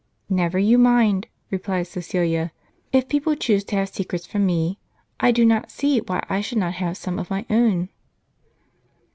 " Never you mind," replied Caecilia, " if people choose to have secrets from me, I do not see why I should not have some of my own."